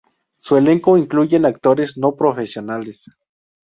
Su elenco incluye a actores no profesionales.